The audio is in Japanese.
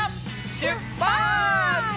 しゅっぱつ！